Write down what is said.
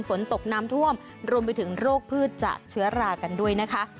ฝนตกน้ำท่วมรวมไปถึงโรคพืชจากเชื้อรากันด้วยนะคะ